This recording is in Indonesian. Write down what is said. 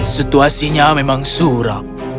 situasinya memang suram